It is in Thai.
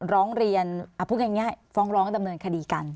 ร้องเรียนพูดแบบนี้ฟ้องร้องกันดำเนินคดีกัน